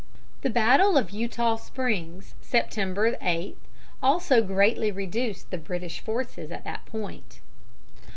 The battle of Eutaw Springs, September 8, also greatly reduced the British forces at that point.